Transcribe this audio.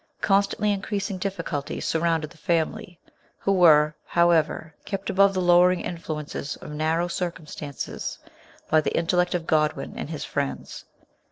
Con stantly increasing difficulties surrounded the family, who were, however, kept above the lowering influences of narrow circumstances by the intellect of Godwin and his friends.